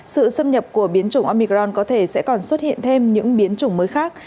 sự xâm nhập của biến chủng omicron có thể sẽ còn xuất hiện thêm những biến chủng mới khác